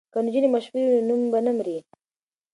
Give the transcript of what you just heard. که نجونې مشهورې وي نو نوم به نه مري.